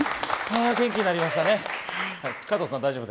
元気になりました。